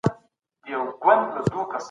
دولت د خصوصي موسساتو سره مرسته کوي.